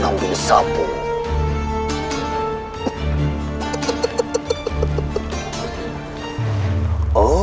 saya masih gembela